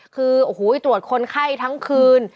คือตรวจคนไคร้ทั้งคืน